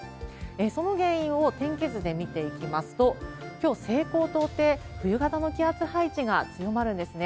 その原因を天気図で見ていきますと、きょう、西高東低、冬型の気圧配置が強まるんですね。